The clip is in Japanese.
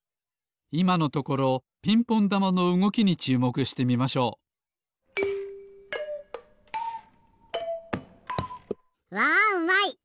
いまのところピンポンだまのうごきにちゅうもくしてみましょうわうまい！